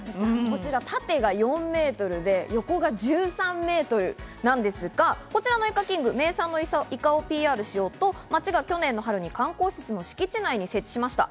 縦が４メートルで横が１３メートルなんですが、こちらのイカキング、名産のイカをＰＲしようと町が去年の春に観光施設の敷地内に設置しました。